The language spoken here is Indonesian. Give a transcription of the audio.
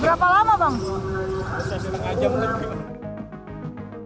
berapa lama bang